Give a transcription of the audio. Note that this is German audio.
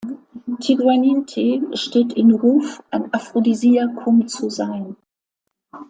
Tieguanyin-Tee steht in Ruf, ein Aphrodisiakum zu sein.